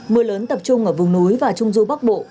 mưa lớn tập trung ở vùng núi và trung du bắc bộ